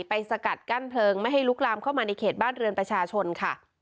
สกัดกั้นเพลิงไม่ให้ลุกลามเข้ามาในเขตบ้านเรือนประชาชนค่ะ